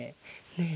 ねえ！